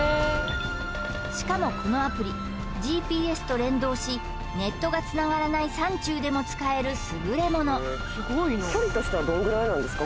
しかもこのアプリＧＰＳと連動しネットがつながらない山中でも使えるすぐれものあるんですか